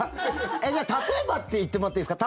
じゃあ、例えばって言ってもらっていいですか。